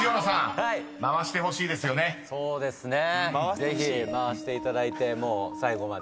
ぜひ回していただいてもう最後まで。